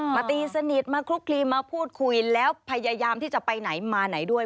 ตีสนิทมาคลุกคลีมาพูดคุยแล้วพยายามที่จะไปไหนมาไหนด้วย